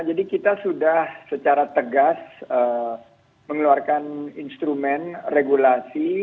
jadi kita sudah secara tegas mengeluarkan instrumen regulasi